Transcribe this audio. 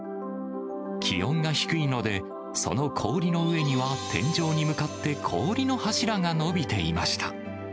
気温が低いので、その氷の上には、天井に向かって氷の柱が伸びていました。